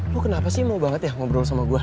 lu kenapa sih mau banget ya ngobrol sama gue